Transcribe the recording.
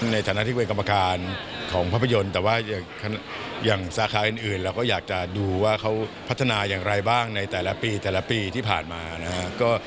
ในฐานะที่เป็นกรรมการของภาพยนตร์แต่ว่าอย่างสาขาอื่นเราก็อยากจะดูว่าเขาพัฒนาอย่างไรบ้างในแต่ละปีแต่ละปีที่ผ่านมานะครับ